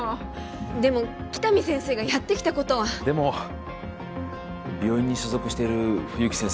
でも喜多見先生がやってきたことはでも病院に所属している冬木先生